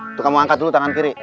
untuk kamu angkat dulu tangan kiri